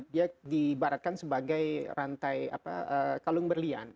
dia diibaratkan sebagai rantai kalung berlian